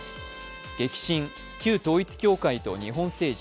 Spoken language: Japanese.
「激震・旧統一教会と日本政治